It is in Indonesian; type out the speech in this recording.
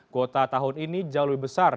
kuota tahun ini jauh lebih besar